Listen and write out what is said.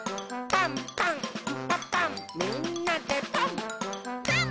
「パンパンんパパンみんなでパン！」